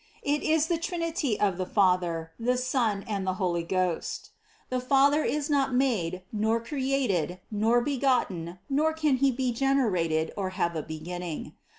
It is the Trinity of the Father, the Son and the Holy Ghost. The Father is not made, nor created, nor begotten, nor can He be generated or have a beginning.